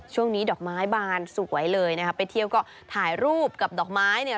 ช่วงนี้ดอกไม้บานสวยเลยนะครับไปเที่ยวก็ถ่ายรูปกับดอกไม้เนี่ย